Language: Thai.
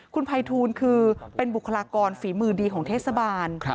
คุณภัยทูลคือเป็นบุคลากรฝีมือดีของเทศบาล